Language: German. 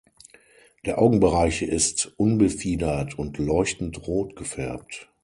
Der Augenbereich ist unbefiedert und leuchtend rot gefärbt.